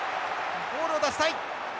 ボールを出したい。